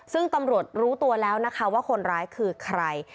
ซึ่งตำรวจรู้ตัวแล้วนะคะว่าคนร้ายคือใคร